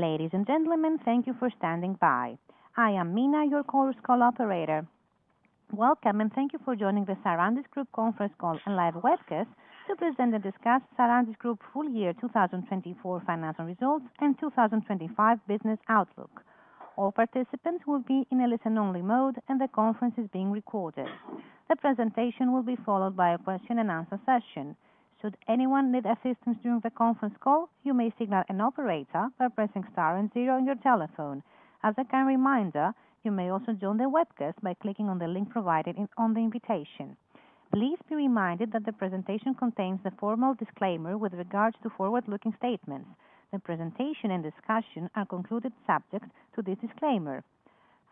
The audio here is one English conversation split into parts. Ladies and gentlemen, thank you for standing by. I am Mina, your call's call operator. Welcome, and thank you for joining the Sarantis Group conference call and live webcast to present and discuss Sarantis Group's full year 2024 financial results and 2025 business outlook. All participants will be in a listen-only mode, and the conference is being recorded. The presentation will be followed by a question-and-answer session. Should anyone need assistance during the conference call, you may signal an operator by pressing star and zero on your telephone. As a kind reminder, you may also join the webcast by clicking on the link provided on the invitation. Please be reminded that the presentation contains a formal disclaimer with regards to forward-looking statements. The presentation and discussion are concluded subject to this disclaimer.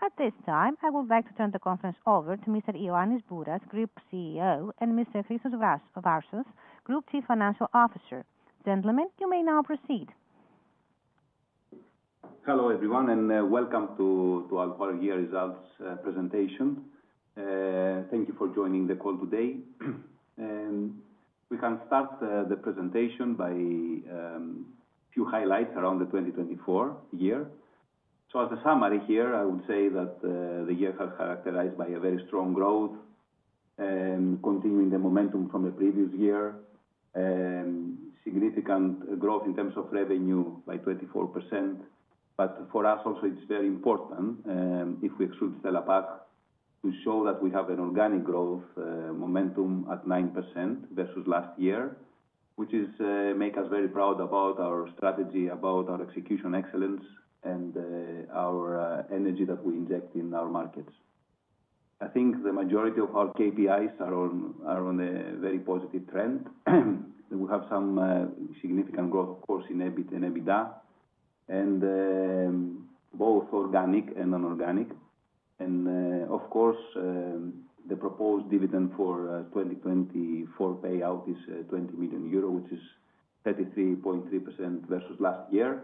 At this time, I would like to turn the conference over to Mr. Ioannis Bouras, Group CEO, and Mr. Christos Varsos, Group Chief Financial Officer. Gentlemen, you may now proceed. Hello everyone, and welcome to our year-results presentation. Thank you for joining the call today. We can start the presentation by a few highlights around the 2024 year. As a summary here, I would say that the year has been characterized by a very strong growth, continuing the momentum from the previous year, significant growth in terms of revenue by 24%. For us also, it's very important, if we exclude Stella Pack, to show that we have an organic growth momentum at 9% versus last year, which makes us very proud about our strategy, about our execution excellence, and our energy that we inject in our markets. I think the majority of our KPIs are on a very positive trend. We have some significant growth, of course, in EBITDA, and both organic and non-organic. Of course, the proposed dividend for 2024 payout is 20 million euro, which is 33.3% versus last year,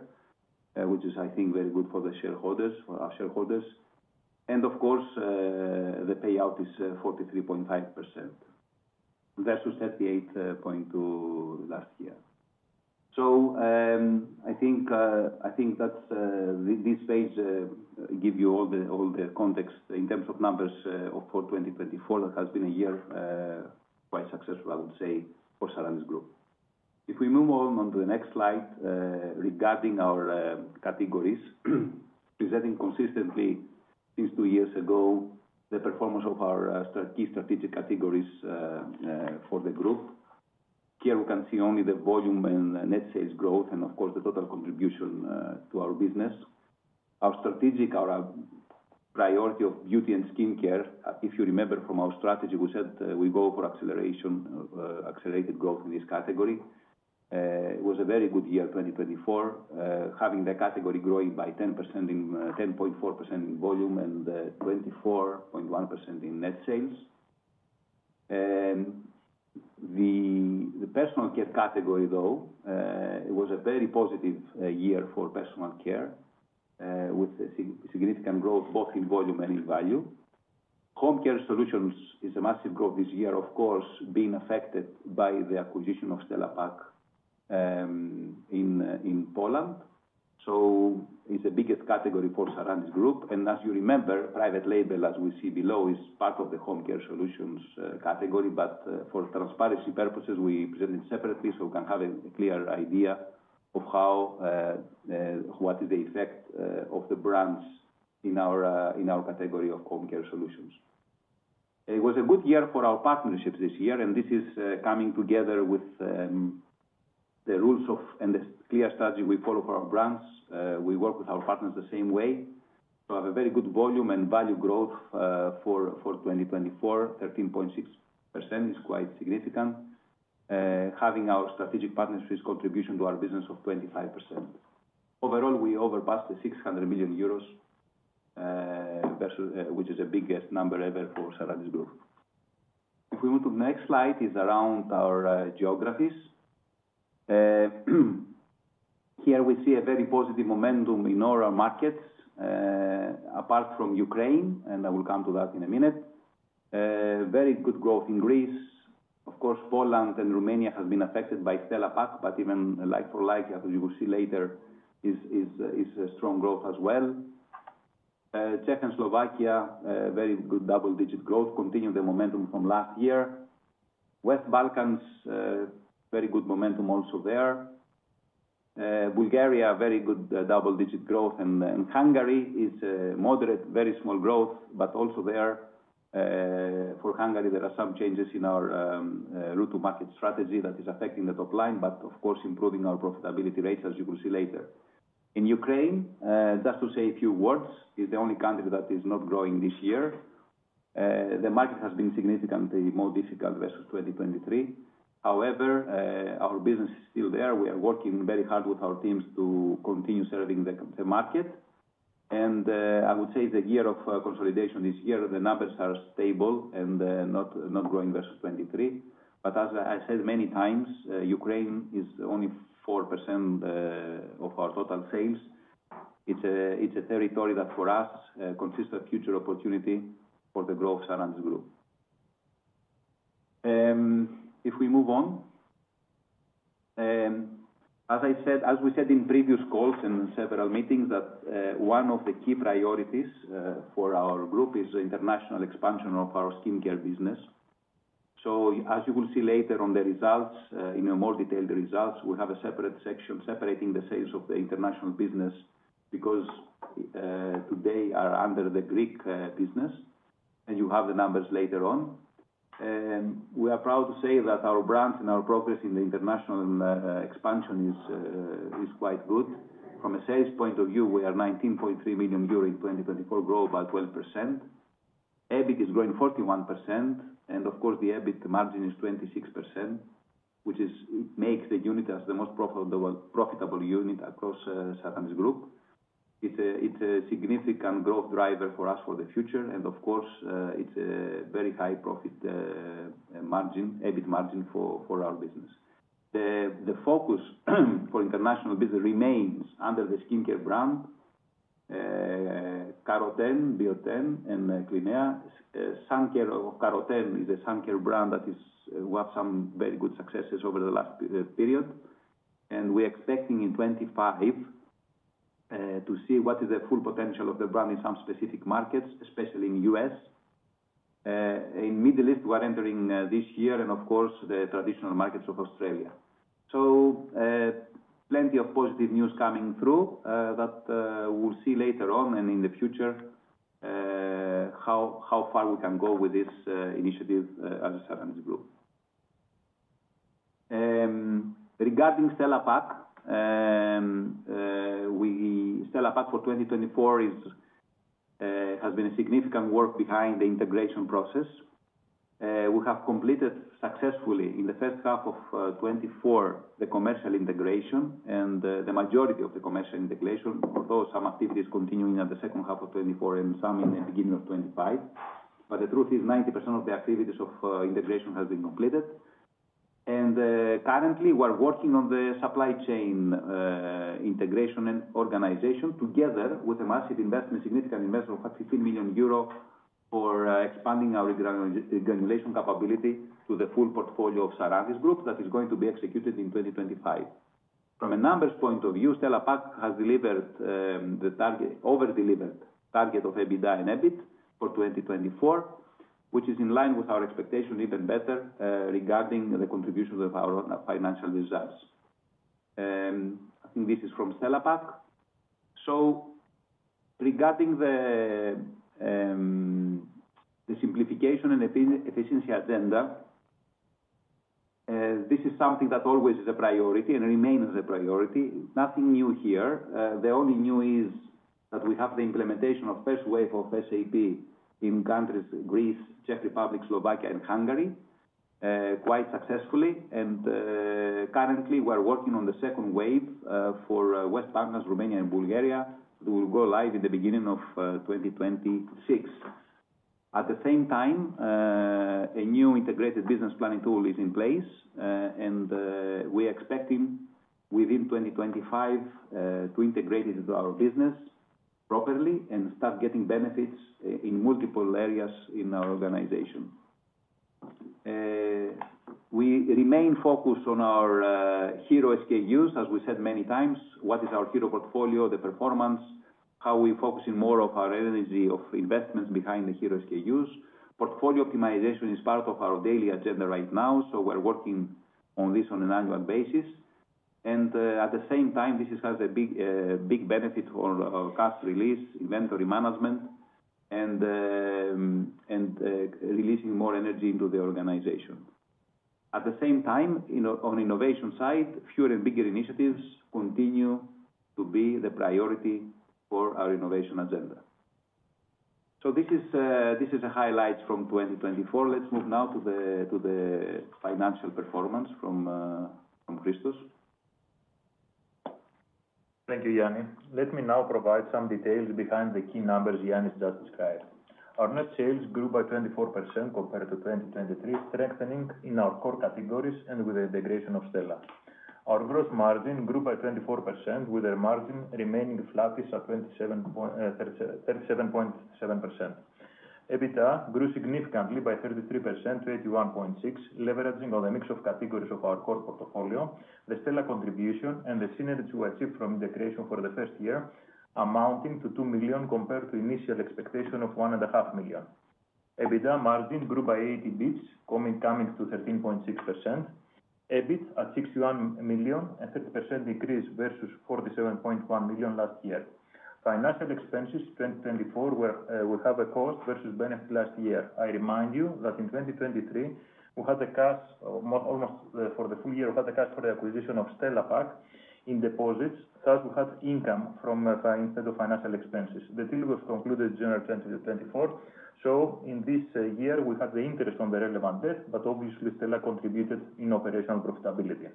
which is, I think, very good for our shareholders. Of course, the payout is 43.5% versus 38.2% last year. I think this page gives you all the context in terms of numbers for 2024. It has been a year quite successful, I would say, for Sarantis Group. If we move on to the next slide regarding our categories, presenting consistently since two years ago the performance of our key strategic categories for the group. Here, we can see only the volume and net sales growth, and, of course, the total contribution to our business. Our strategic, our priority of beauty and skin care, if you remember from our strategy, we said we go for acceleration, accelerated growth in this category. It was a very good year, 2024, having the category growing by 10.4% in volume and 24.1% in net sales. The personal care category, though, was a very positive year for personal care, with significant growth both in volume and in value. Home Care Solutions is a massive growth this year, of course, being affected by the acquisition of Stella Pack in Poland. It is the biggest category for Sarantis Group. As you remember, private label, as we see below, is part of the Home Care Solutions category, but for transparency purposes, we present it separately so you can have a clear idea of what is the effect of the brands in our category of Home Care Solutions. It was a good year for our partnerships this year, and this is coming together with the rules and the clear strategy we follow for our brands. We work with our partners the same way. We have a very good volume and value growth for 2024. 13.6% is quite significant, having our strategic partnerships' contribution to our business of 25%. Overall, we overpassed 600 million euros, which is the biggest number ever for Sarantis Group. If we move to the next slide, it is around our geographies. Here, we see a very positive momentum in our markets, apart from Ukraine, and I will come to that in a minute. Very good growth in Greece. Of course, Poland and Romania have been affected by Stella Pack, but even like for like, as you will see later, is strong growth as well. Czech and Slovakia, very good double-digit growth, continuing the momentum from last year. West Balkans, very good momentum also there. Bulgaria, very good double-digit growth. Hungary is moderate, very small growth, but also there. For Hungary, there are some changes in our route-to-market strategy that is affecting the top line, but, of course, improving our profitability rates, as you will see later. In Ukraine, just to say a few words, it is the only country that is not growing this year. The market has been significantly more difficult versus 2023. However, our business is still there. We are working very hard with our teams to continue serving the market. I would say it is a year of consolidation this year. The numbers are stable and not growing versus 2023. As I said many times, Ukraine is only 4% of our total sales. It is a territory that, for us, consists of future opportunity for the growth of Sarantis Group. If we move on, as I said, as we said in previous calls and several meetings, that one of the key priorities for our group is the international expansion of our skincare business. As you will see later on the results, in more detailed results, we have a separate section separating the sales of the international business because today are under the Greek business, and you have the numbers later on. We are proud to say that our brand and our progress in the international expansion is quite good. From a sales point of view, we are 19.3 million euro in 2024, grow by 12%. EBIT is growing 41%, and, of course, the EBIT margin is 26%, which makes the unit as the most profitable unit across Sarantis Group. It's a significant growth driver for us for the future, and, of course, it's a very high profit margin, EBIT margin for our business. The focus for international business remains under the skincare brand Carroten, Bioten, and Clinea. Sun care of Carroten is a sun care brand that has had some very good successes over the last period. We are expecting in 2025 to see what is the full potential of the brand in some specific markets, especially in the U.S. In the Middle East, we are entering this year, and, of course, the traditional markets of Australia. Plenty of positive news coming through that we'll see later on and in the future how far we can go with this initiative as a Sarantis Group. Regarding Stella Pack, Stella Pack for 2024 has been a significant work behind the integration process. We have completed successfully in the first half of 2024 the commercial integration, and the majority of the commercial integration, although some activities continuing at the second half of 2024 and some in the beginning of 2025. The truth is 90% of the activities of integration have been completed. Currently, we are working on the supply chain integration and organization together with a massive investment, significant investment of 15 million euros for expanding our granulation capability to the full portfolio of Sarantis Group that is going to be executed in 2025. From a numbers point of view, Stella Pack has delivered the over-delivered target of EBITDA and EBIT for 2024, which is in line with our expectation, even better regarding the contribution of our financial results. I think this is from Stella Pack. Regarding the simplification and efficiency agenda, this is something that always is a priority and remains a priority. Nothing new here. The only new is that we have the implementation of the first wave of SAP in countries Greece, Czech Republic, Slovakia, and Hungary, quite successfully. Currently, we are working on the second wave for West Balkans, Romania, and Bulgaria that will go live in the beginning of 2026. At the same time, a new integrated business planning tool is in place, and we are expecting within 2025 to integrate it into our business properly and start getting benefits in multiple areas in our organization. We remain focused on our hero SKUs, as we said many times. What is our hero portfolio, the performance, how we are focusing more of our energy of investments behind the hero SKUs. Portfolio optimization is part of our daily agenda right now, so we're working on this on an annual basis. At the same time, this has a big benefit for cost release, inventory management, and releasing more energy into the organization. At the same time, on the innovation side, fewer and bigger initiatives continue to be the priority for our innovation agenda. This is a highlight from 2024. Let's move now to the financial performance from Christos. Thank you, Ioannis. Let me now provide some details behind the key numbers Ioannis just described. Our net sales grew by 24% compared to 2023, strengthening in our core categories and with the integration of Stella Pack. Our gross margin grew by 24%, with our margin remaining flattest at 37.7%. EBITDA grew significantly by 33% to 81.6 million, leveraging on the mix of categories of our core portfolio, the Stella Pack contribution, and the synergy we achieved from integration for the first year, amounting to 2 million compared to the initial expectation of 1.5 million. EBITDA margin grew by 80 basis points, coming to 13.6%. EBIT at 61 million, a 30% increase versus 47.1 million last year. Financial expenses 2024 will have a cost versus benefit last year. I remind you that in 2023, we had cash almost for the full year, we had cash for the acquisition of Stella Pack in deposits. Thus, we had income instead of financial expenses. The deal was concluded in January 2024. In this year, we had the interest on the relevant debt, but obviously, Stella contributed in operational profitability.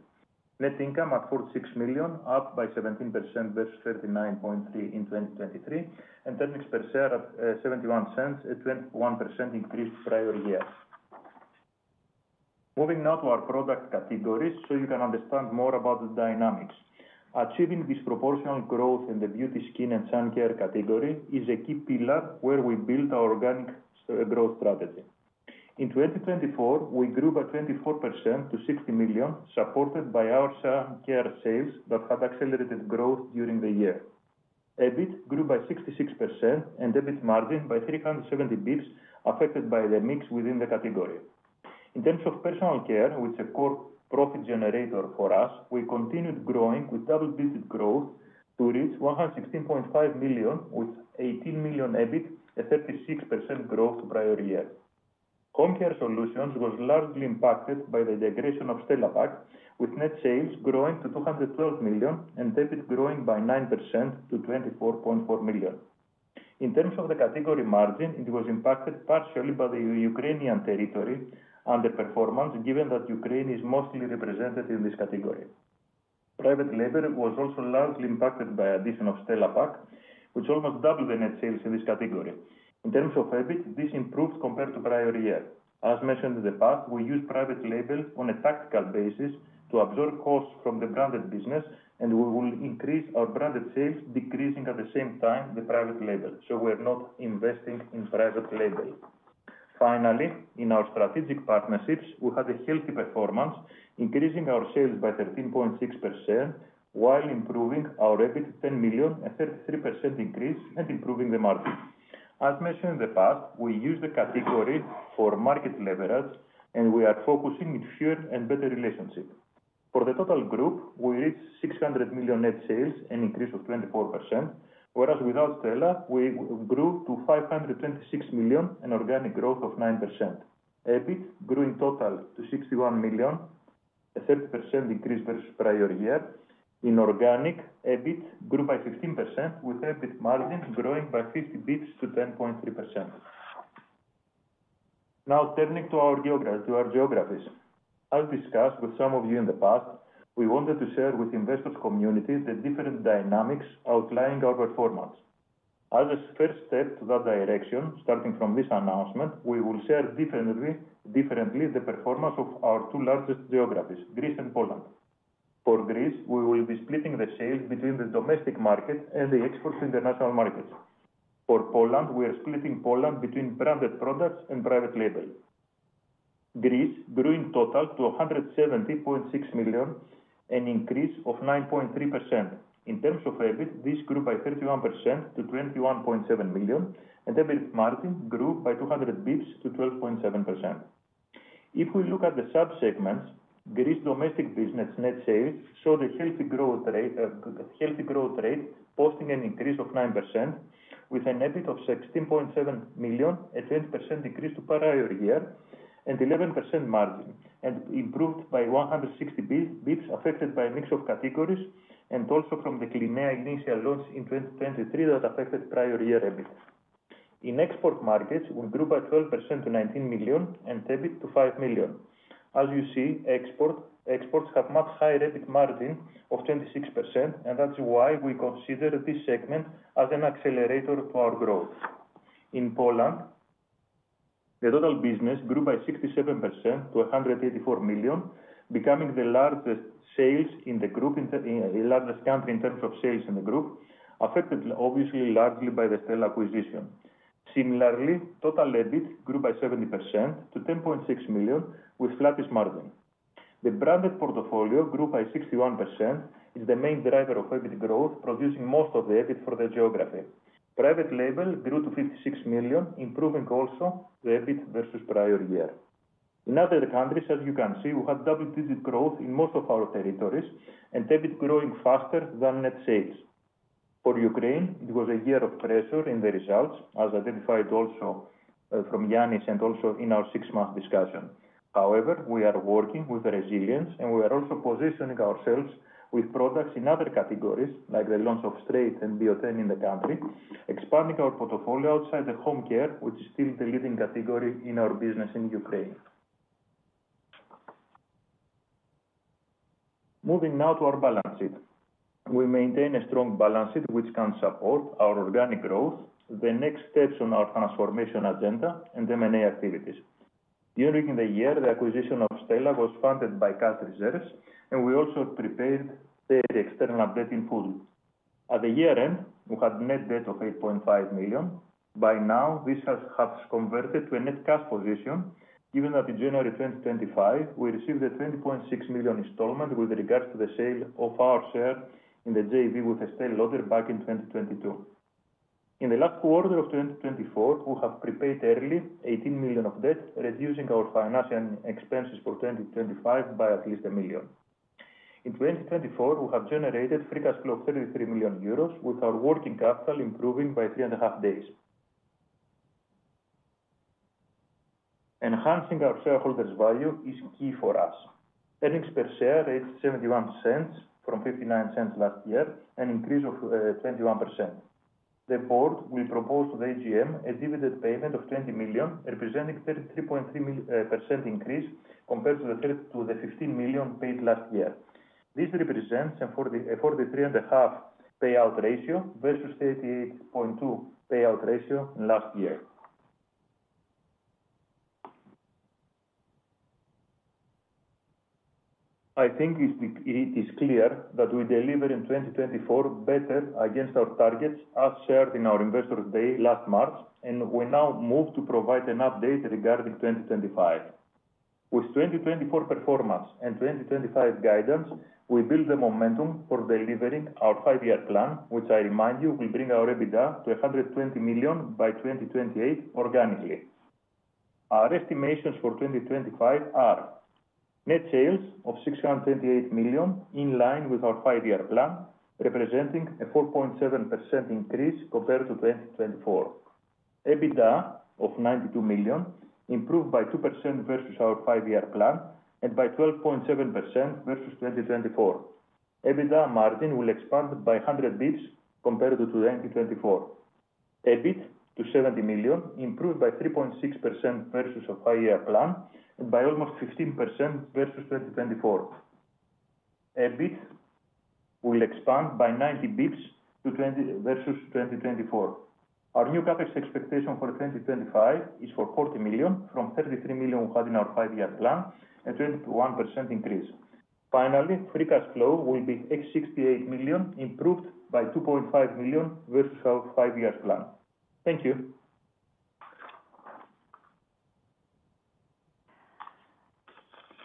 Net income at 46 million, up by 17% versus 39.3 million in 2023, and earnings per share at 0.71, a 21% increase from prior years. Moving now to our product categories so you can understand more about the dynamics. Achieving disproportional growth in the beauty, skin, and sun care category is a key pillar where we built our organic growth strategy. In 2024, we grew by 24% to 60 million, supported by our sun care sales that had accelerated growth during the year. EBIT grew by 66%, and EBIT margin by 370 basis points, affected by the mix within the category. In terms of Personal Care, which is a core profit generator for us, we continued growing with double-digit growth to reach 116.5 million, with 18 million EBIT, a 36% growth from prior year. Home Care Solutions were largely impacted by the integration of Stella Pack, with net sales growing to 212 million and EBIT growing by 9% to 24.4 million. In terms of the category margin, it was impacted partially by the Ukrainian territory and the performance, given that Ukraine is mostly represented in this category. Private label was also largely impacted by the addition of Stella Pack, which almost doubled the net sales in this category. In terms of EBIT, this improved compared to prior year. As mentioned in the past, we use private label on a tactical basis to absorb costs from the branded business, and we will increase our branded sales, decreasing at the same time the private label. We are not investing in private label. Finally, in our strategic partnerships, we had a healthy performance, increasing our sales by 13.6% while improving our EBIT to 10 million, a 33% increase, and improving the margin. As mentioned in the past, we use the category for market leverage, and we are focusing on fewer and better relationships. For the total group, we reached 600 million net sales and an increase of 24%, whereas without Stella Pack, we grew to 526 million and an organic growth of 9%. EBIT grew in total to 61 million, a 30% increase versus prior year. In organic, EBIT grew by 16%, with EBIT margin growing by 50 basis points to 10.3%. Now, turning to our geographies. As discussed with some of you in the past, we wanted to share with investors' communities the different dynamics outlining our performance. As a first step to that direction, starting from this announcement, we will share differently the performance of our two largest geographies, Greece and Poland. For Greece, we will be splitting the sales between the domestic market and the export to international markets. For Poland, we are splitting Poland between branded products and private label. Greece grew in total to 170.6 million, an increase of 9.3%. In terms of EBIT, this grew by 31% to 21.7 million, and EBIT margin grew by 200 basis points to 12.7%. If we look at the subsegments, Greece's domestic business net sales showed a healthy growth rate, posting an increase of 9%, with an EBIT of 16.7 million, a 20% decrease to prior year, and an 11% margin, and improved by 160 basis points, affected by a mix of categories, and also from the Kyriakos Sarantis initial launch in 2023 that affected prior year EBIT. In export markets, we grew by 12% to 19 million and EBIT to 5 million. As you see, exports have a much higher EBIT margin of 26%, and that is why we consider this segment as an accelerator to our growth. In Poland, the total business grew by 67% to 184 million, becoming the largest sales in the group, the largest country in terms of sales in the group, affected obviously largely by the Stella Pack acquisition. Similarly, total EBIT grew by 70% to 10.6 million, with flattest margin. The branded portfolio grew by 61%. It's the main driver of EBIT growth, producing most of the EBIT for the geography. Private label grew to 56 million, improving also the EBIT versus prior year. In other countries, as you can see, we had double-digit growth in most of our territories and EBIT growing faster than net sales. For Ukraine, it was a year of pressure in the results, as identified also from Ioannis and also in our six-month discussion. However, we are working with resilience, and we are also positioning ourselves with products in other categories, like the launch of STR8 and Bioten in the country, expanding our portfolio outside the home care, which is still the leading category in our business in Ukraine. Moving now to our balance sheet. We maintain a strong balance sheet, which can support our organic growth, the next steps on our transformation agenda, and M&A activities. During the year, the acquisition of Stella Pack was funded by cash reserves, and we also prepared the external updating pool. At the year end, we had a net debt of 8.5 million. By now, this has converted to a net cash position, given that in January 2025, we received a 20.6 million installment with regards to the sale of our share in the JV with Estée Lauder back in 2022. In the last quarter of 2024, we have prepaid early 18 million of debt, reducing our financial expenses for 2025 by at least 1 million. In 2024, we have generated free cash flow of 33 million euros, with our working capital improving by three and a half days. Enhancing our shareholders' value is key for us. Earnings per share rate 0.71 from 0.59 last year, an increase of 21%. The board will propose to the AGM a dividend payment of 20 million, representing a 33.3% increase compared to the 15 million paid last year. This represents a 43.5% payout ratio versus a 38.2% payout ratio last year. I think it is clear that we deliver in 2024 better against our targets, as shared in our investor day last March, and we now move to provide an update regarding 2025. With 2024 performance and 2025 guidance, we build the momentum for delivering our five-year plan, which I remind you will bring our EBITDA to 120 million by 2028 organically. Our estimations for 2025 are: net sales of 628 million, in line with our five-year plan, representing a 4.7% increase compared to 2024. EBITDA of 92 million, improved by 2% versus our five-year plan and by 12.7% versus 2024. EBITDA margin will expand by 100 basis points compared to 2024. EBIT to 70 million, improved by 3.6% versus our five-year plan and by almost 15% versus 2024. EBIT will expand by 90 basis points versus 2024. Our new Capex expectation for 2025 is for 40 million from 33 million we had in our five-year plan, a 21% increase. Finally, free cash flow will be 68 million, improved by 2.5 million versus our five-year plan. Thank you.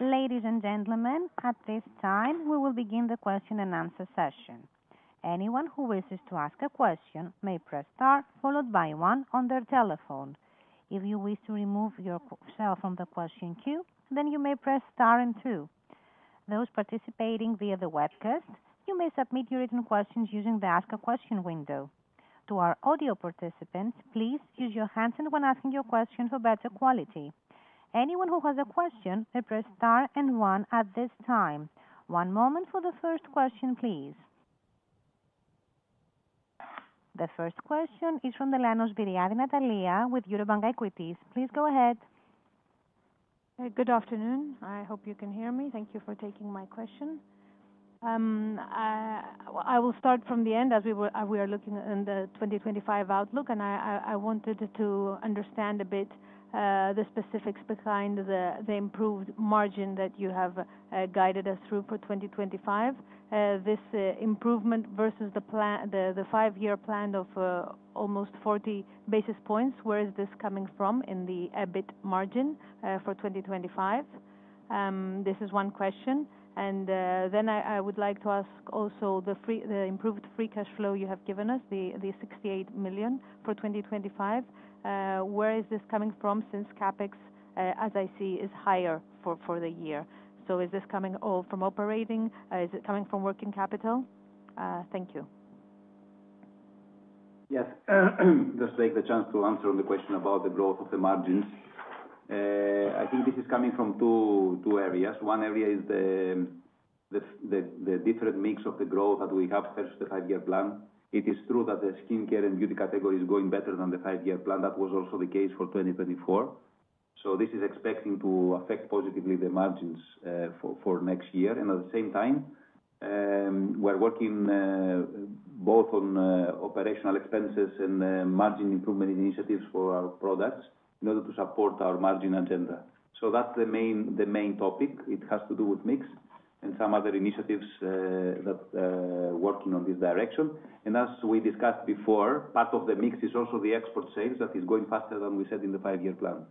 Ladies and gentlemen, at this time, we will begin the question and answer session. Anyone who wishes to ask a question may press * followed by 1 on their telephone. If you wish to remove yourself from the question queue, then you may press * and 2. Those participating via the webcast, you may submit your written questions using the Ask a Question window. To our audio participants, please use your hands when asking your question for better quality. Anyone who has a question may press * and 1 at this time. One moment for the first question, please. The first question is from Natalia Svyriadi with Eurobank Equities. Please go ahead. Good afternoon. I hope you can hear me. Thank you for taking my question. I will start from the end as we are looking at the 2025 outlook, and I wanted to understand a bit the specifics behind the improved margin that you have guided us through for 2025. This improvement versus the five-year plan of almost 40 basis points, where is this coming from in the EBIT margin for 2025? This is one question. I would like to ask also the improved free cash flow you have given us, the 68 million for 2025, where is this coming from since capex, as I see, is higher for the year? Is this coming all from operating? Is it coming from working capital? Thank you. Yes. Just take the chance to answer the question about the growth of the margins. I think this is coming from two areas. One area is the different mix of the growth that we have versus the five-year plan. It is true that the skincare and beauty category is going better than the five-year plan. That was also the case for 2024. This is expecting to affect positively the margins for next year. At the same time, we are working both on operational expenses and margin improvement initiatives for our products in order to support our margin agenda. That is the main topic. It has to do with mix and some other initiatives that are working in this direction. As we discussed before, part of the mix is also the export sales that is going faster than we said in the five-year plan.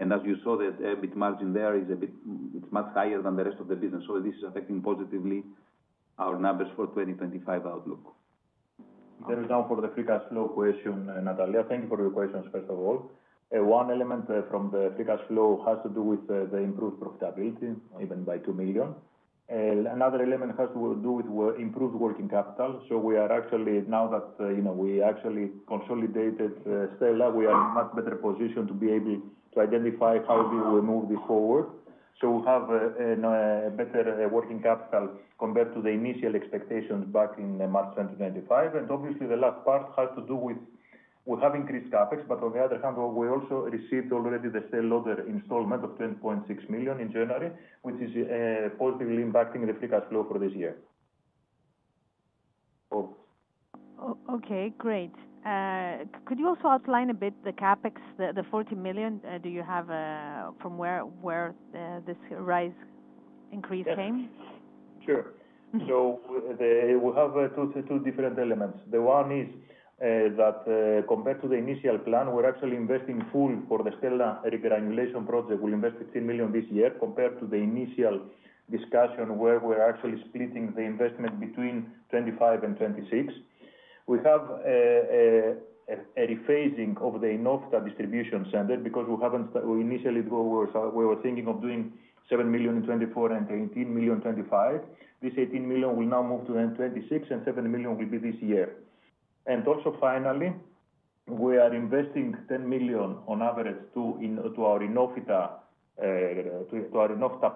As you saw, the EBIT margin there is a bit much higher than the rest of the business. This is affecting positively our numbers for the 2025 outlook. There is now for the free cash flow question, Natalia. Thank you for your questions, first of all. One element from the free cash flow has to do with the improved profitability, even by 2 million. Another element has to do with improved working capital. We are actually, now that we actually consolidated Stella Pack, we are in a much better position to be able to identify how we will move this forward. We have a better working capital compared to the initial expectations back in March 2025. Obviously, the last part has to do with we have increased Capex, but on the other hand, we also received already the Estée Lauder installment of 20.6 million in January, which is positively impacting the free cash flow for this year. Okay, great. Could you also outline a bit the Capex, the 40 million? Do you have from where this rise increase came? Sure. We have two different elements. The one is that compared to the initial plan, we're actually investing full for the Stellar regeneration project. We invested 15 million this year compared to the initial discussion where we were actually splitting the investment between 25 million and 26 million. We have a rephasing of the Oinofyta distribution center because we initially were thinking of doing 7 million in 2024 and 18 million in 2025. This 18 million will now move to 2026, and 7 million will be this year. Also, finally, we are investing 10 million on average to our Oinofyta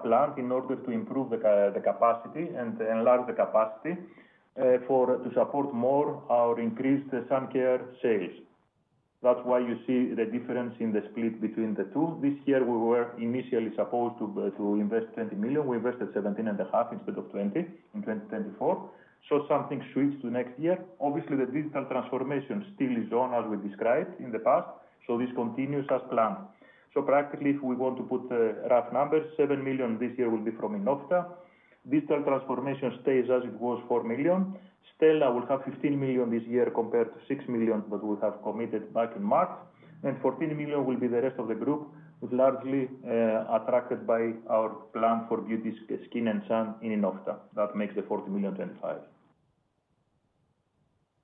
plant in order to improve the capacity and enlarge the capacity to support more our increased sun care sales. That's why you see the difference in the split between the two. This year, we were initially supposed to invest 20 million. We invested 17.5 million instead of 20 million in 2024. Something switched to next year. Obviously, the digital transformation still is on, as we described in the past. This continues as planned. Practically, if we want to put rough numbers, 7 million this year will be from Oinofyta. Digital transformation stays as it was, 4 million. Stella Pack will have 15 million this year compared to 6 million that we have committed back in March. 14 million will be the rest of the group, largely attracted by our plan for beauty, skin, and sun in Oinofyta. That makes the 40 million in 2025.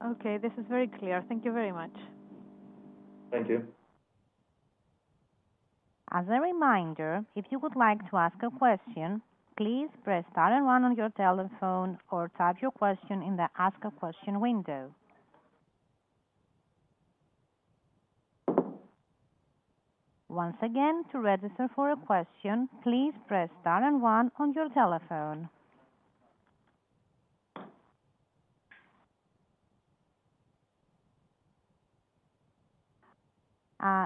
Okay, this is very clear. Thank you very much. Thank you. As a reminder, if you would like to ask a question, please press * and 1 on your telephone or type your question in the Ask a Question window. Once again, to register for a question, please press * and 1 on your telephone.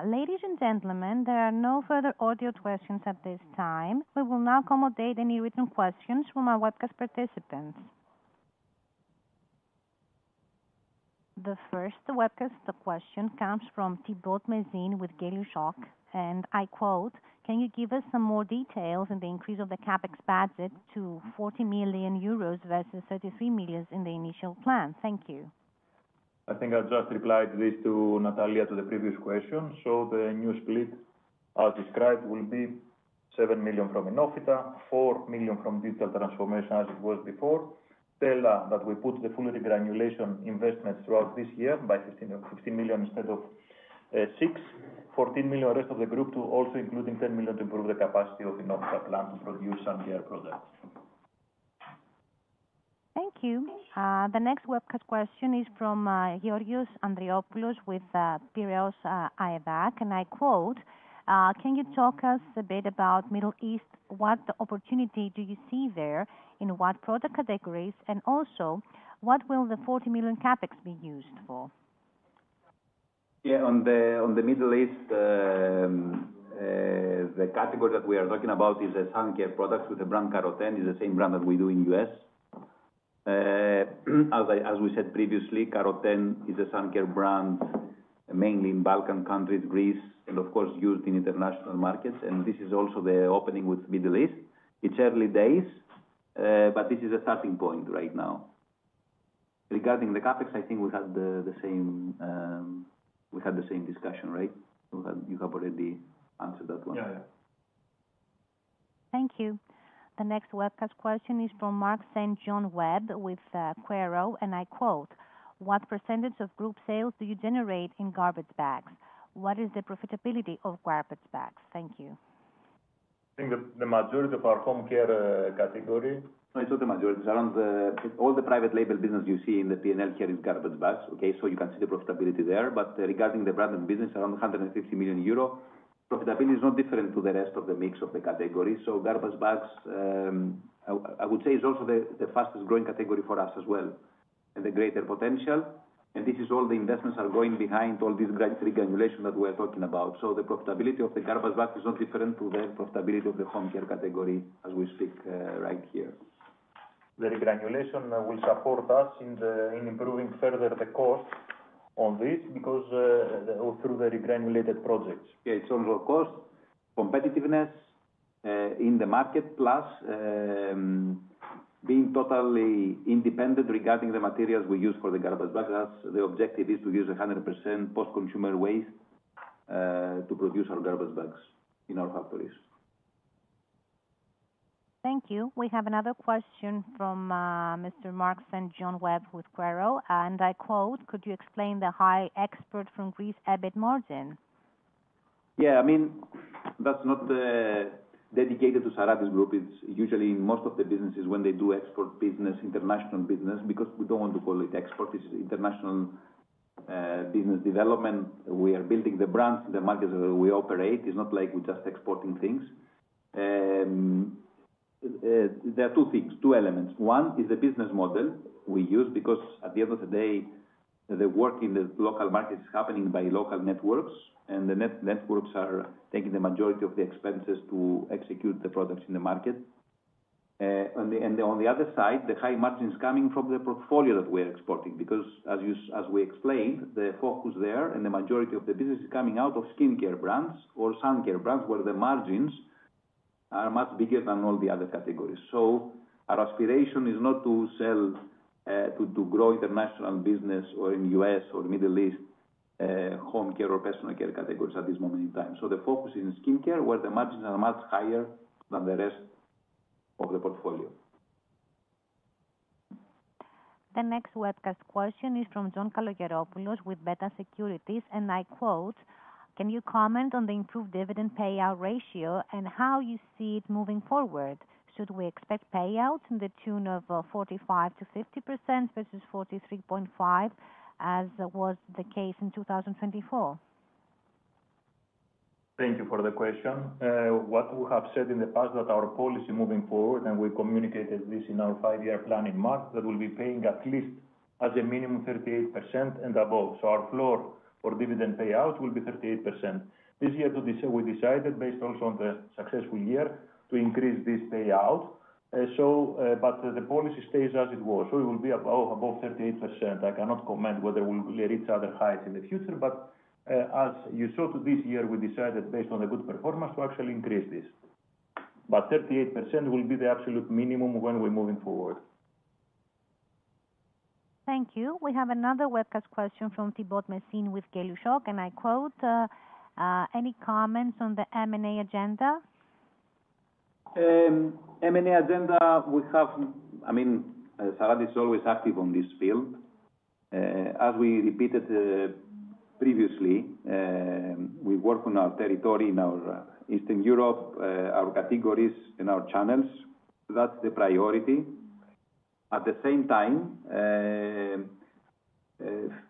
Ladies and gentlemen, there are no further audio questions at this time. We will now accommodate any written questions from our webcast participants. The first webcast question comes from Thibault Mazin with Gay-Lussac, and I quote, "Can you give us some more details on the increase of the Capex budget to 40 million euros versus 33 million in the initial plan?" Thank you. I think I'll just reply to this, to Natalia, to the previous question. The new split, as described, will be 7 million from Oinofyta, 4 million from digital transformation as it was before, Stella Pack that we put the full regeneration investment throughout this year by 15 million instead of 6 million, 14 million rest of the group to also including 10 million to improve the capacity of Oinofyta plant to produce sun care products. Thank you. The next webcast question is from Giorgios Andreopoulos with Piraeus AEDAK, and I quote, "Can you talk us a bit about Middle East? What opportunity do you see there in what product categories? Also, what will the 40 million capex be used for? Yeah, on the Middle East, the category that we are talking about is the sun care products with the brand Carroten, is the same brand that we do in the U.S. As we said previously, Carroten is a sun care brand mainly in Balkan countries, Greece, and of course, used in international markets. This is also the opening with Middle East. It's early days, but this is a starting point right now. Regarding the Capex, I think we had the same discussion, right? You have already answered that one. Yeah, yeah. Thank you. The next webcast question is from Mark St. John Webb with Quaero, and I quote, "What percentage of group sales do you generate in garbage bags? What is the profitability of garbage bags?" Thank you. I think the majority of our Home Care category. I saw the majority. All the private label business you see in the P&L here is garbage bags, okay? You can see the profitability there. Regarding the brand and business, around 150 million euro, profitability is not different to the rest of the mix of the category. Garbage bags, I would say, is also the fastest growing category for us as well. The greater potential is there. This is all the investments are going behind, all this great regeneration that we are talking about. The profitability of the garbage bags is not different to the profitability of the home care category as we speak right here. The regeneration will support us in improving further the cost on this because through the regeneration projects. Yeah, it's also cost, competitiveness in the market, plus being totally independent regarding the materials we use for the garbage bags, as the objective is to use 100% post-consumer waste to produce our garbage bags in our factories. Thank you. We have another question from Mr. Mark St. John Webb with Quaero, and I quote, "Could you explain the high export from Greece EBIT margin? Yeah, I mean, that's not dedicated to Sarantis Group. It's usually in most of the businesses when they do export business, international business, because we don't want to call it export. This is international business development. We are building the brands in the markets where we operate. It's not like we're just exporting things. There are two things, two elements. One is the business model we use because at the end of the day, the work in the local market is happening by local networks, and the networks are taking the majority of the expenses to execute the products in the market. On the other side, the high margin is coming from the portfolio that we are exporting because, as we explained, the focus there and the majority of the business is coming out of skincare brands or sun care brands where the margins are much bigger than all the other categories. Our aspiration is not to grow international business or in the U.S. or Middle East home care or personal care categories at this moment in time. The focus is in skincare where the margins are much higher than the rest of the portfolio. The next webcast question is from John Kalogeropoulos with Beta Securities, and I quote, "Can you comment on the improved dividend payout ratio and how you see it moving forward? Should we expect payouts in the tune of 45-50% versus 43.5% as was the case in 2024? Thank you for the question. What we have said in the past is that our policy moving forward, and we communicated this in our five-year plan in March, is that we'll be paying at least as a minimum 38% and above. Our floor for dividend payout will be 38%. This year, we decided, based also on the successful year, to increase this payout. The policy stays as it was. It will be above 38%. I cannot comment whether we'll reach other highs in the future, but as you saw, this year, we decided, based on the good performance, to actually increase this. 38% will be the absolute minimum when we're moving forward. Thank you. We have another webcast question from Thibault Mazin with Gay-Lussac, and I quote, "Any comments on the M&A agenda? M&A agenda, we have, I mean, Sarantis is always active on this field. As we repeated previously, we work on our territory in Eastern Europe, our categories and our channels. That's the priority. At the same time,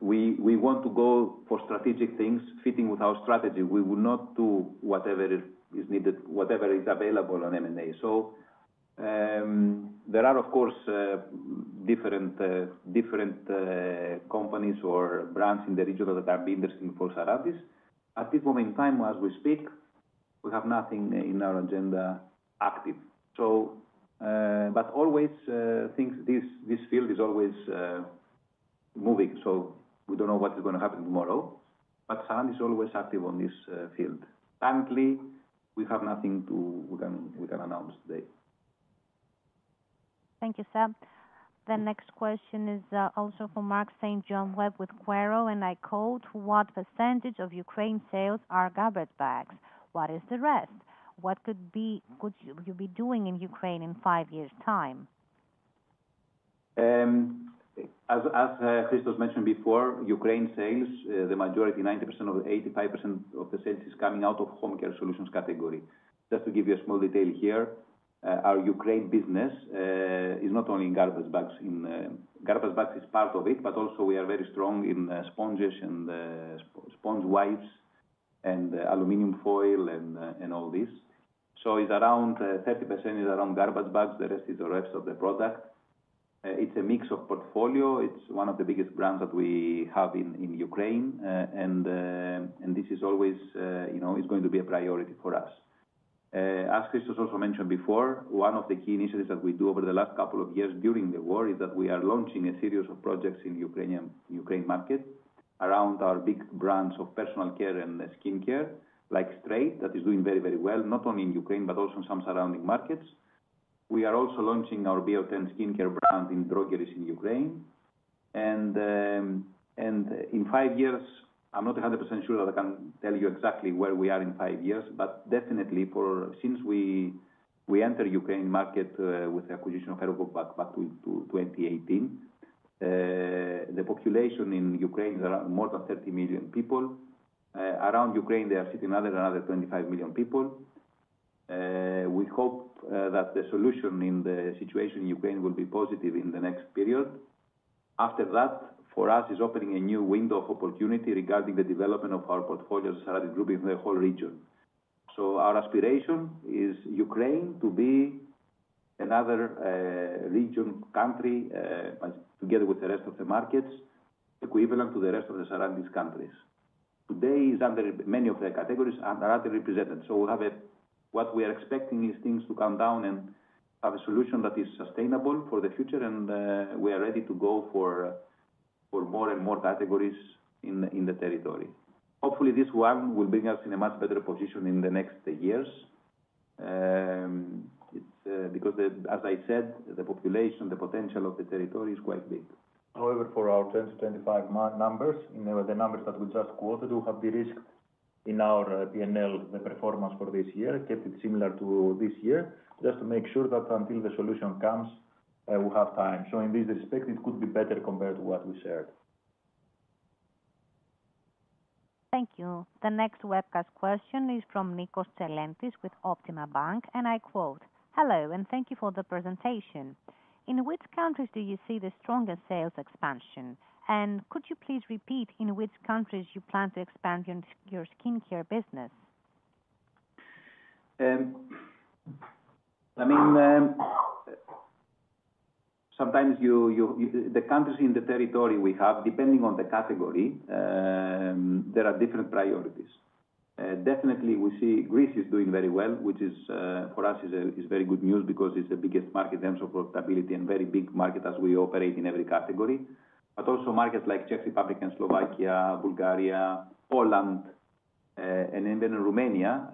we want to go for strategic things fitting with our strategy. We will not do whatever is needed, whatever is available on M&A. There are, of course, different companies or brands in the region that are interested in Sarantis. At this moment in time, as we speak, we have nothing in our agenda active. This field is always moving. We don't know what is going to happen tomorrow. Sarantis is always active on this field. Currently, we have nothing we can announce today. Thank you, sir. The next question is also from Mark St. John Webb with Quaero, and I quote, "What percentage of Ukraine sales are garbage bags? What is the rest? What could you be doing in Ukraine in five years' time? As Christos mentioned before, Ukraine sales, the majority, 90% or 85% of the sales is coming out of Home Care Solutions category. Just to give you a small detail here, our Ukraine business is not only in garbage bags. Garbage bags is part of it, but also we are very strong in sponges and sponge wipes and aluminum foil and all this. It is around 30% is around garbage bags. The rest is the rest of the product. It is a mix of portfolio. It is one of the biggest brands that we have in Ukraine. This is always going to be a priority for us. As Christos also mentioned before, one of the key initiatives that we do over the last couple of years during the war is that we are launching a series of projects in the Ukrainian market around our big brands of personal care and skincare like STR8 that is doing very, very well, not only in Ukraine, but also in some surrounding markets. We are also launching our Bioten skincare brand in drogeries in Ukraine. In five years, I'm not 100% sure that I can tell you exactly where we are in five years, but definitely since we entered the Ukraine market with the acquisition of Ergopack back to 2018, the population in Ukraine is more than 30 million people. Around Ukraine, there are sitting another 25 million people. We hope that the solution in the situation in Ukraine will be positive in the next period. After that, for us, it's opening a new window of opportunity regarding the development of our portfolio as a Sarantis Group in the whole region. Our aspiration is Ukraine to be another region country together with the rest of the markets equivalent to the rest of the Sarantis countries. Today, it's under many of the categories that are underrepresented. What we are expecting is things to come down and have a solution that is sustainable for the future, and we are ready to go for more and more categories in the territory. Hopefully, this one will bring us in a much better position in the next years because, as I said, the population, the potential of the territory is quite big. However, for our 2025 numbers, the numbers that we just quoted, we have the risk in our P&L, the performance for this year, kept it similar to this year just to make sure that until the solution comes, we have time. In this respect, it could be better compared to what we shared. Thank you. The next webcast question is from Nikos Tselentis with Optima Bank, and I quote, "Hello and thank you for the presentation. In which countries do you see the strongest sales expansion? Could you please repeat in which countries you plan to expand your skincare business? I mean, sometimes the countries in the territory we have, depending on the category, there are different priorities. Definitely, we see Greece is doing very well, which for us is very good news because it's the biggest market in terms of profitability and a very big market as we operate in every category. Also, markets like Czech Republic and Slovakia, Bulgaria, Poland, and even Romania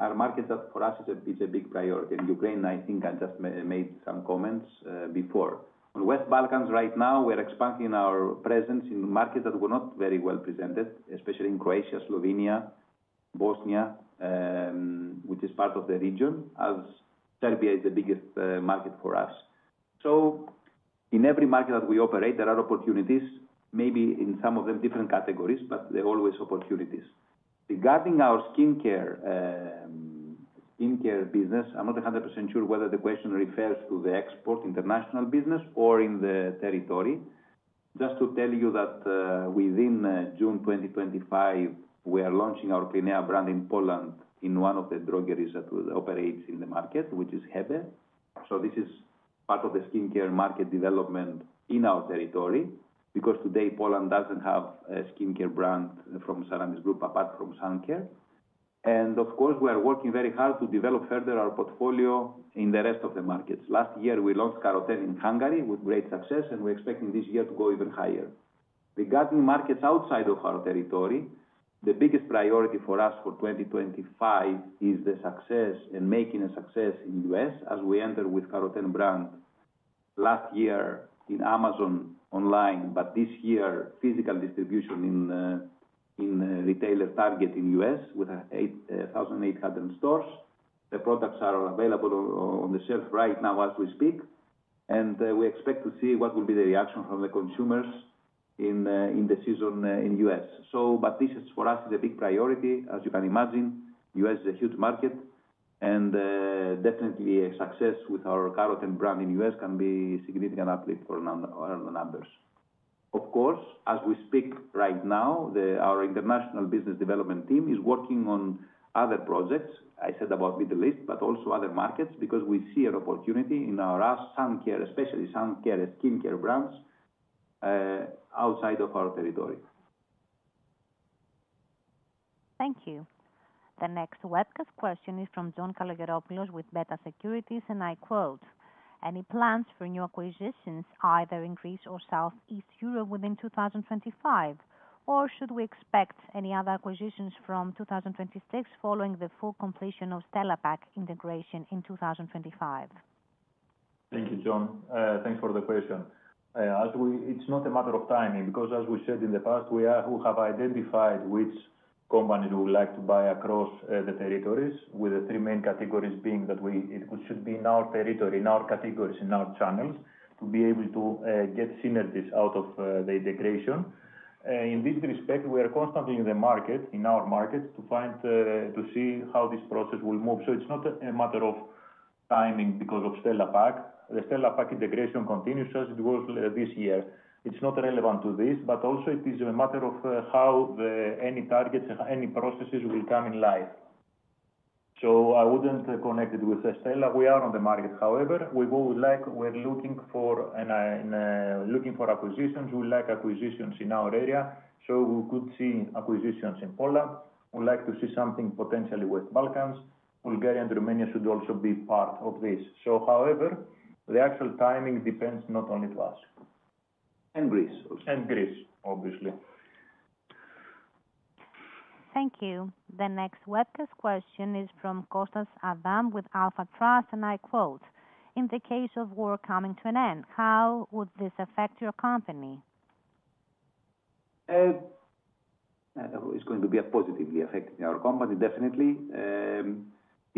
are markets that for us is a big priority. Ukraine, I think I just made some comments before. On the West Balkans, right now, we are expanding our presence in markets that were not very well presented, especially in Croatia, Slovenia, Bosnia, which is part of the region, as Serbia is the biggest market for us. In every market that we operate, there are opportunities, maybe in some of them different categories, but they're always opportunities. Regarding our skincare business, I'm not 100% sure whether the question refers to the export international business or in the territory. Just to tell you that within June 2025, we are launching our Clinea brand in Poland in one of the drogeries that operates in the market, which is Hebe. This is part of the skincare market development in our territory because today Poland doesn't have a skincare brand from Sarantis Group apart from sun care. Of course, we are working very hard to develop further our portfolio in the rest of the markets. Last year, we launched Caroten in Hungary with great success, and we're expecting this year to go even higher. Regarding markets outside of our territory, the biggest priority for us for 2025 is the success and making a success in the U.S. as we enter with Caroten brand last year in Amazon online, but this year physical distribution in retailer Target in the U.S. with 1,800 stores. The products are available on the shelf right now as we speak, and we expect to see what will be the reaction from the consumers in the season in the U.S. This is for us a big priority, as you can imagine. The U.S. is a huge market, and definitely a success with our Caroten brand in the U.S. can be a significant uplift for our numbers. Of course, as we speak right now, our international business development team is working on other projects. I said about Middle East, but also other markets because we see an opportunity in our sun care, especially sun care skincare brands outside of our territory. Thank you. The next webcast question is from John Kalogeropoulos with Beta Securities, and I quote, "Any plans for new acquisitions either in Greece or Southeast Europe within 2025, or should we expect any other acquisitions from 2026 following the full completion of Stella Pack integration in 2025? Thank you, John. Thanks for the question. It's not a matter of timing because, as we said in the past, we have identified which companies we would like to buy across the territories with the three main categories being that it should be in our territory, in our categories, in our channels to be able to get synergies out of the integration. In this respect, we are constantly in the market, in our market, to see how this process will move. It's not a matter of timing because of Stella Pack. The Stella Pack integration continues as it was this year. It's not relevant to this, but also it is a matter of how any targets, any processes will come in life. I wouldn't connect it with Stella. We are on the market. However, we're looking for acquisitions. We like acquisitions in our area. We could see acquisitions in Poland. We'd like to see something potentially West Balkans. Bulgaria and Romania should also be part of this. However, the actual timing depends not only on us. And Greece. And Greece, obviously. Thank you. The next webcast question is from Kostas Adam with Alpha Trust, and I quote, "In the case of war coming to an end, how would this affect your company? It's going to be positively affecting our company, definitely.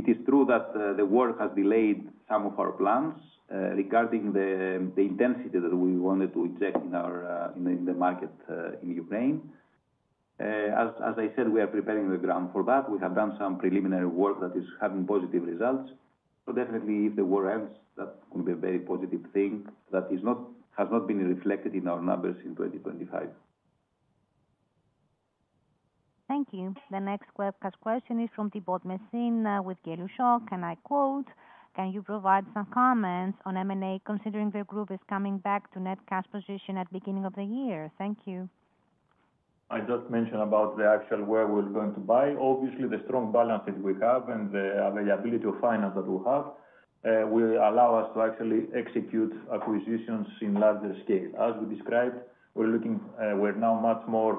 It is true that the war has delayed some of our plans regarding the intensity that we wanted to inject in the market in Ukraine. As I said, we are preparing the ground for that. We have done some preliminary work that is having positive results. Definitely, if the war ends, that would be a very positive thing that has not been reflected in our numbers in 2025. Thank you. The next webcast question is from Thibault Mazin with Gay-Lussac, and I quote, "Can you provide some comments on M&A considering the group is coming back to net cash position at the beginning of the year?" Thank you. I just mentioned about the actual where we're going to buy. Obviously, the strong balance that we have and the availability of finance that we have will allow us to actually execute acquisitions in larger scale. As we described, we're now much more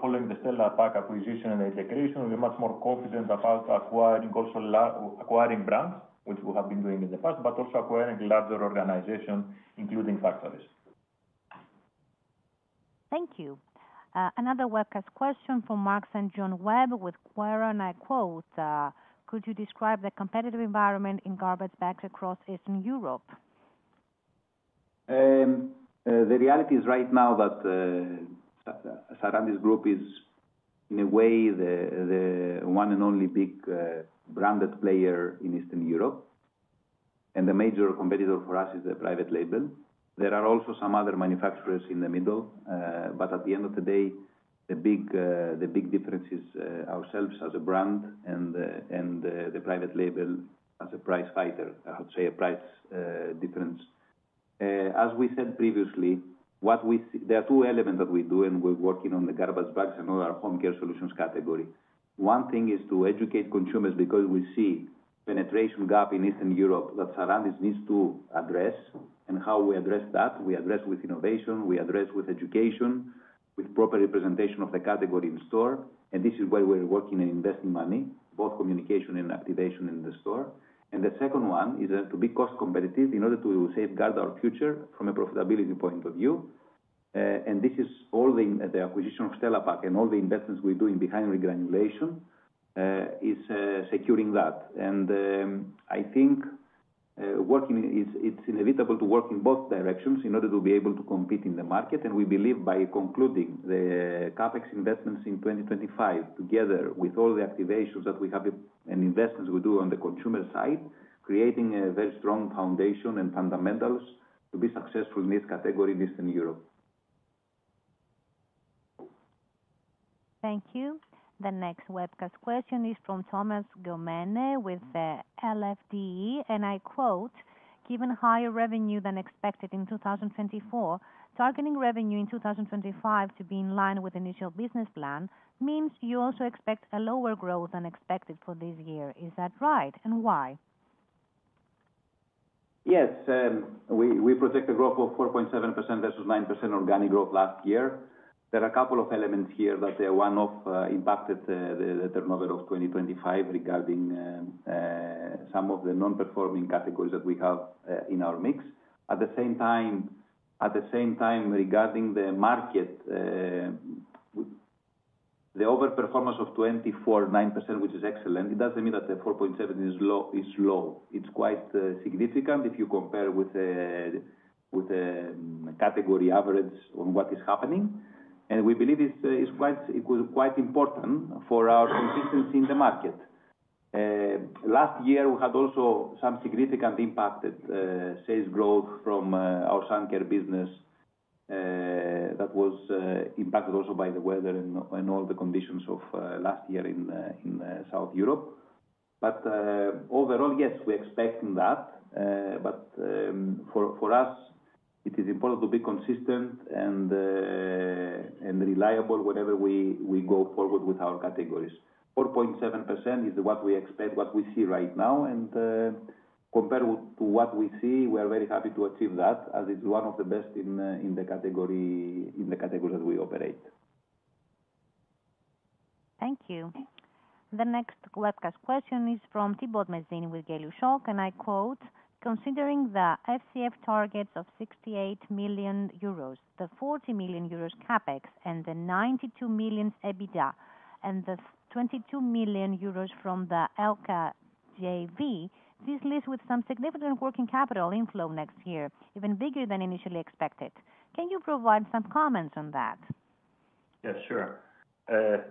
following the Stella Pack acquisition and integration, we're much more confident about acquiring also acquiring brands, which we have been doing in the past, but also acquiring larger organizations, including factories. Thank you. Another webcast question from Mark St. John Webb with Quaero, and I quote, "Could you describe the competitive environment in garbage bags across Eastern Europe? The reality is right now that Sarantis Group is, in a way, the one and only big branded player in Eastern Europe, and the major competitor for us is the private label. There are also some other manufacturers in the middle, but at the end of the day, the big difference is ourselves as a brand and the private label as a price fighter, I would say a price difference. As we said previously, there are two elements that we do, and we're working on the garbage bags and all our home care solutions category. One thing is to educate consumers because we see a penetration gap in Eastern Europe that Sarantis needs to address. How we address that? We address with innovation. We address with education, with proper representation of the category in store. This is where we're working and investing money, both communication and activation in the store. The second one is to be cost competitive in order to safeguard our future from a profitability point of view. This is all the acquisition of Stella Pack and all the investments we're doing behind regranulation is securing that. I think it's inevitable to work in both directions in order to be able to compete in the market. We believe by concluding the CapEx investments in 2025 together with all the activations that we have and investments we do on the consumer side, creating a very strong foundation and fundamentals to be successful in this category in Eastern Europe. Thank you. The next webcast question is from Thomas Gomene with LFDE, and I quote, "Given higher revenue than expected in 2024, targeting revenue in 2025 to be in line with initial business plan means you also expect a lower growth than expected for this year. Is that right? And why? Yes. We projected growth of 4.7% versus 9% organic growth last year. There are a couple of elements here that impacted the turnover of 2025 regarding some of the non-performing categories that we have in our mix. At the same time, regarding the market, the overperformance of 2024, 9%, which is excellent, it does not mean that the 4.7% is low. It is quite significant if you compare with a category average on what is happening. We believe it is quite important for our consistency in the market. Last year, we had also some significant impacted sales growth from our sun care business that was impacted also by the weather and all the conditions of last year in South Europe. Overall, yes, we are expecting that. For us, it is important to be consistent and reliable whenever we go forward with our categories. 4.7% is what we expect, what we see right now. Compared to what we see, we are very happy to achieve that as it's one of the best in the categories that we operate. Thank you. The next webcast question is from Thibault Mazin with Gay-Lussac, and I quote, "Considering the FCF targets of 68 million euros, the 40 million euros Capex, and the 92 million EBITDA, and the 22 million euros from the LKJV, this leads with some significant working capital inflow next year, even bigger than initially expected. Can you provide some comments on that? Yes, sure.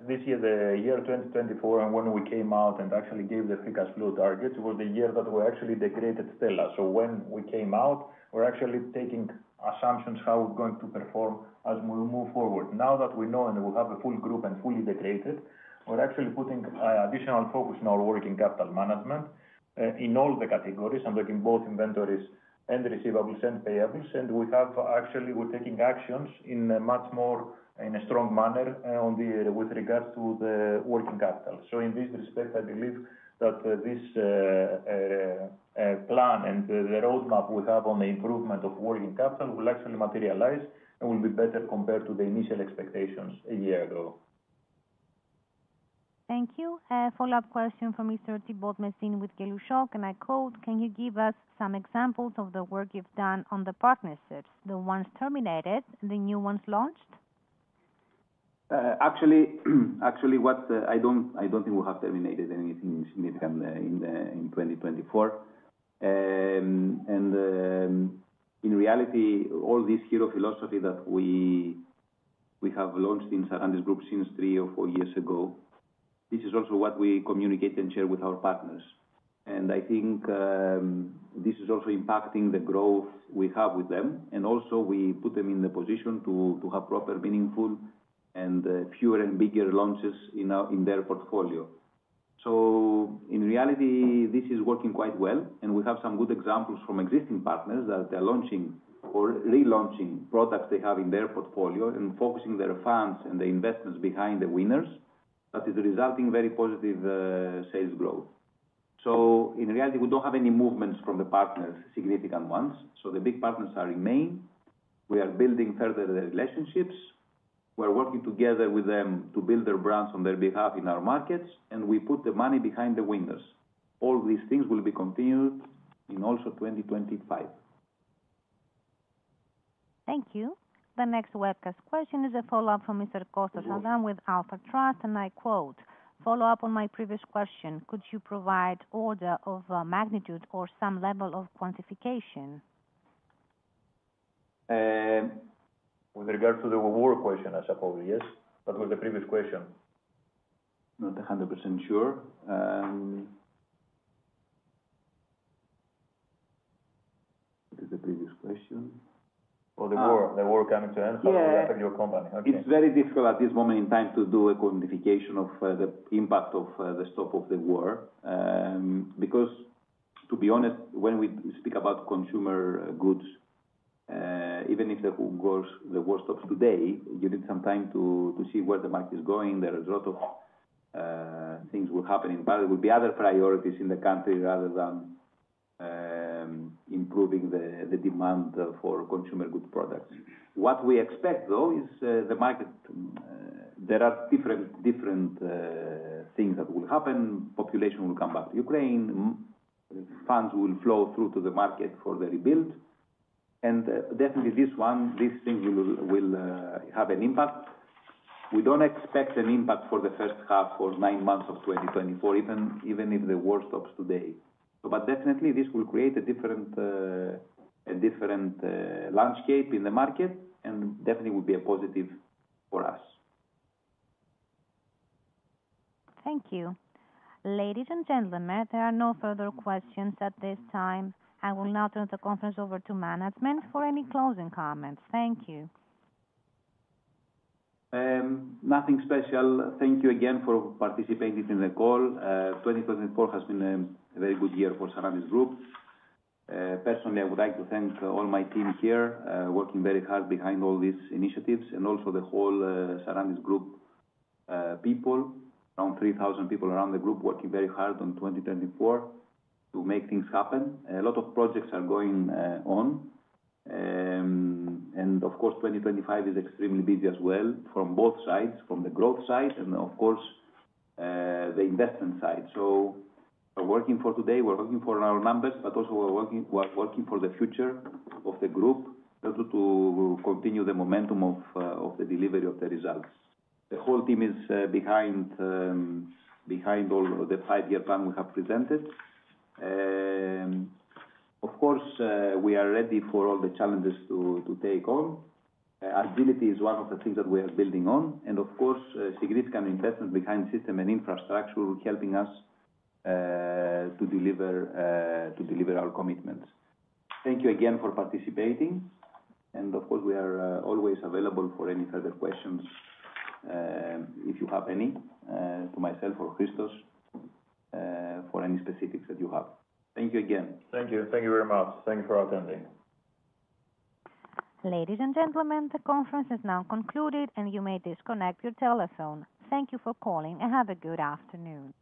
This year, the year 2024, when we came out and actually gave the free cash flow targets, it was the year that we actually integrated Stella Pack. When we came out, we were actually taking assumptions how we're going to perform as we move forward. Now that we know and we have a full group and fully integrated, we're actually putting additional focus in our working capital management in all the categories. I'm talking both inventories and receivables and payables. We have actually taken actions in a much more strong manner with regards to the working capital. In this respect, I believe that this plan and the roadmap we have on the improvement of working capital will actually materialize and will be better compared to the initial expectations a year ago. Thank you. A follow-up question from Mr. Thibault Mazin with Gay-Lussac, and I quote, "Can you give us some examples of the work you've done on the partnerships, the ones terminated, the new ones launched? Actually, I don't think we have terminated anything significant in 2024. In reality, all this hero philosophy that we have launched in Sarantis Group since three or four years ago, this is also what we communicate and share with our partners. I think this is also impacting the growth we have with them. We put them in the position to have proper, meaningful, and fewer and bigger launches in their portfolio. In reality, this is working quite well. We have some good examples from existing partners that they're launching or relaunching products they have in their portfolio and focusing their funds and the investments behind the winners that is resulting in very positive sales growth. In reality, we don't have any movements from the partners, significant ones. The big partners are remaining. We are building further the relationships. We're working together with them to build their brands on their behalf in our markets. We put the money behind the winners. All these things will be continued in also 2025. Thank you. The next webcast question is a follow-up from Mr. Kostas Adam with Alpha Trust, and I quote, "Follow-up on my previous question. Could you provide order of magnitude or some level of quantification? With regards to the war question, I suppose, yes. That was the previous question. Not 100% sure. It is the previous question. Oh, the war. The war coming to an end. How does that affect your company? Okay. It's very difficult at this moment in time to do a quantification of the impact of the stop of the war because, to be honest, when we speak about consumer goods, even if the war stops today, you need some time to see where the market is going. There are a lot of things will happen in Paris. There will be other priorities in the country rather than improving the demand for consumer goods products. What we expect, though, is the market. There are different things that will happen. Population will come back to Ukraine. Funds will flow through to the market for the rebuild. Definitely, this one, these things will have an impact. We do not expect an impact for the first half or nine months of 2024, even if the war stops today. Definitely, this will create a different landscape in the market, and definitely will be a positive for us. Thank you. Ladies and gentlemen, there are no further questions at this time. I will now turn the conference over to management for any closing comments. Thank you. Nothing special. Thank you again for participating in the call. 2024 has been a very good year for Sarantis Group. Personally, I would like to thank all my team here working very hard behind all these initiatives and also the whole Sarantis Group people, around 3,000 people around the group working very hard on 2024 to make things happen. A lot of projects are going on. Of course, 2025 is extremely busy as well from both sides, from the growth side and, of course, the investment side. We are working for today. We are working for our numbers, but also we are working for the future of the group to continue the momentum of the delivery of the results. The whole team is behind all the five-year plan we have presented. Of course, we are ready for all the challenges to take on. Agility is one of the things that we are building on. Of course, significant investment behind system and infrastructure will help us to deliver our commitments. Thank you again for participating. We are always available for any further questions if you have any to myself or Kostas for any specifics that you have. Thank you again. Thank you. Thank you very much. Thank you for attending. Ladies and gentlemen, the conference is now concluded, and you may disconnect your telephone. Thank you for calling and have a good afternoon.